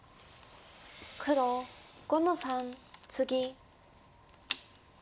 黒５の三ツギ。